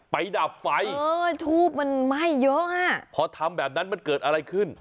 ดับไฟเออทูบมันไหม้เยอะอ่ะพอทำแบบนั้นมันเกิดอะไรขึ้น